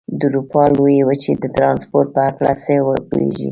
د اروپا لویې وچې د ترانسپورت په هلکه څه پوهېږئ؟